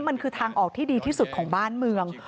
มันคือทางออกที่ดีที่สุดของบ้านเมือง